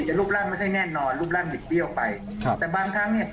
มันจะหอบให้มันกลายเป็นรูปร่างหอบเป็นแค่ถือมันจะเนียนได้